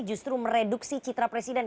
justru mereduksi citra presiden